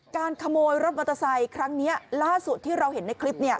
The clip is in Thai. การขโมยรถมอเตอร์ไซค์ครั้งนี้ล่าสุดที่เราเห็นในคลิป